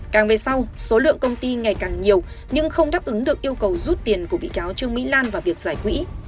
càng về sau số lượng công ty ngày càng nhiều nhưng không đáp ứng được yêu cầu rút tiền của bị cáo trương mỹ lan vào việc giải quỹ